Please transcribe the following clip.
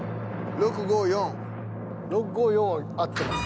６５４は合ってます。